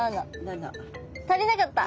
７足りなかった。